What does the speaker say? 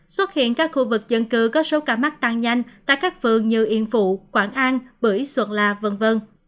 xuất hiện các khu vực dân cư có số ca mắc tăng nhanh tại các phường như yên phụ quảng an bưởi xuân la v v